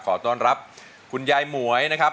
ขอต้อนรับคุณยายหมวยนะครับ